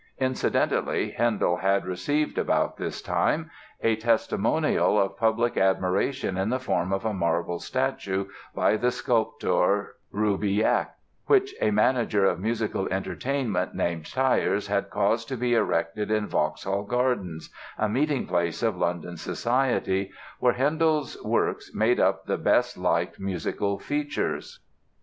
Incidentally, Handel had received about this time a testimonial of public admiration in the form of a marble statue by the sculptor, Roubiliac, which a manager of musical entertainments named Tyers had caused to be erected in Vauxhall Gardens, a meeting place of London Society, where Handel's works made up the best liked musical features.